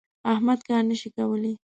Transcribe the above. احمد کار نه شي کولای.